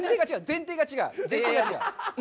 前提が違う。